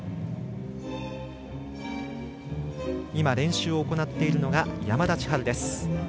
今、練習を行っているのが山田千遥です。